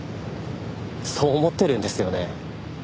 そう思ってるんですよね？